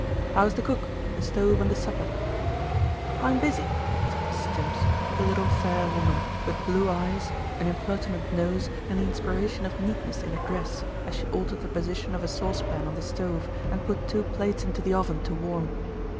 "How's the cook, the stove, and the supper?" "I'm busy," said Mrs. Tims, a little, fair woman, with blue eyes, an impertinent nose, and the inspiration of neatness in her dress, as she altered the position of a saucepan on the stove and put two plates into the oven to warm.